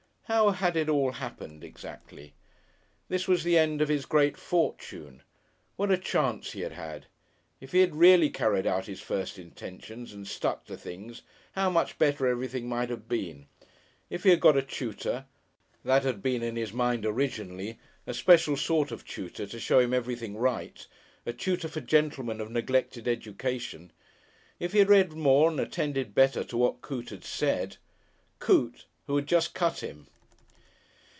How had it all happened exactly? This was the end of his great fortune! What a chance he had had! If he had really carried out his first intentions and stuck to things, how much better everything might have been! If he had got a tutor that had been in his mind originally a special sort of tutor to show him everything right; a tutor for gentlemen of neglected education. If he had read more and attended better to what Coote had said! Coote, who had just cut him!...